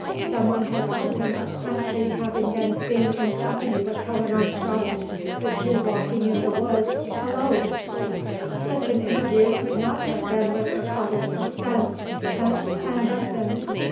Someone has told him of Clancy having been seen in company with Helen Armstrong the two walking the woods alone! Such an interview could not have been with her father's consent, but clandestine.